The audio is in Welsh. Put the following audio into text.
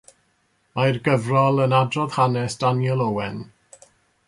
Mae'r gyfrol yn adrodd hanes Daniel Owen.